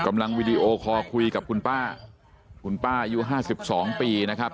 วีดีโอคอลคุยกับคุณป้าคุณป้าอายุห้าสิบสองปีนะครับ